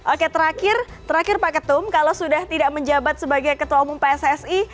oke terakhir terakhir pak ketum kalau sudah tidak menjabat sebagai ketua umum pssi